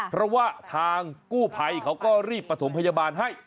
เพราะว่าทางกู้ภัยเขาก็รีบประถมพยาบาลให้